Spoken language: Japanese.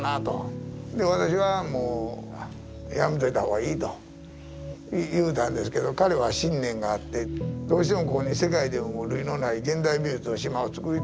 で私はもうやめといた方がいいと言うたんですけど彼は信念があってどうしてもここに世界でも類のない現代美術の島をつくりたいと。